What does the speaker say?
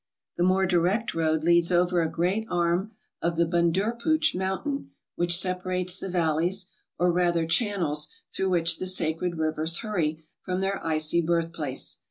The more direct road leads over a great arm of the Bundurpooch mountain which separates the valleys, or rather channels through which the sacred rivers hurry from their icy birthplace.